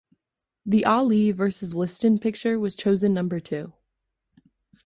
The Ali versus Liston picture was chosen number two.